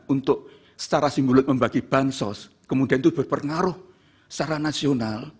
untuk secara simbolik membagi bansos kemudian itu berpengaruh secara nasional